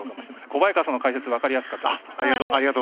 小早川さんの解説分かりやすかったです。